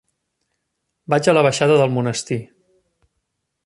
Vaig a la baixada del Monestir.